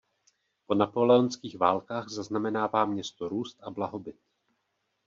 Po napoleonských válkách zaznamenává město růst a blahobyt.